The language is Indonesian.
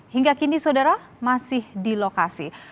hingga kini saudara masih di lokasi